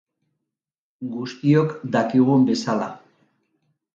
Guztiok dakigun bezala.